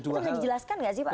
itu bisa dijelaskan nggak sih pak